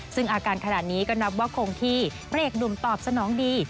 ซึ่งอาการขนาดนี้ก็นับว่าคงที่พระเอกหนุ่มตอบสนองดี